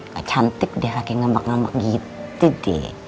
gak cantik deh pakai ngelmak ngelmak gitu deh